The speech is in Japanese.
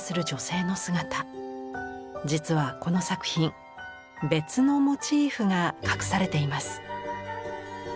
実はこの作品別のモチーフが隠されています。